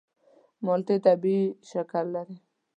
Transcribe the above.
مالټې طبیعي شکر لري.